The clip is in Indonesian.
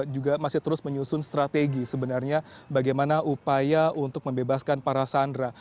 juga masih terus menyusun strategi sebenarnya bagaimana upaya untuk membebaskan para sandera